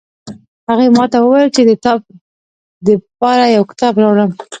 هغې ماته وویل چې د تا د پاره یو کتاب راوړم